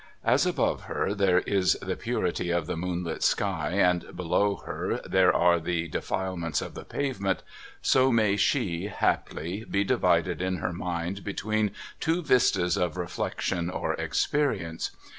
As above her there is the purity of the moonlit sky, and below her there are the defilements of the pavement, so may she, haply, be divided in her mind between two vistas of reflection or experience.